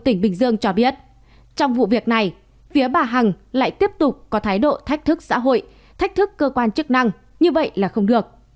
tỉnh bình dương cho biết trong vụ việc này phía bà hằng lại tiếp tục có thái độ thách thức xã hội thách thức cơ quan chức năng như vậy là không được